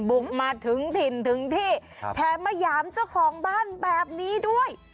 บุกมาถึงถิ่นถึงที่แถมมาหยามเจ้าของบ้านแบบนี้ด้วย